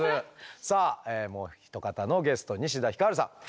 さあもうひと方のゲスト西田ひかるさん。